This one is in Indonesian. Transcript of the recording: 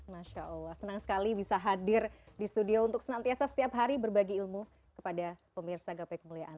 masya allah senang sekali bisa hadir di studio untuk senantiasa setiap hari berbagi ilmu kepada pemirsa gapai kemuliaan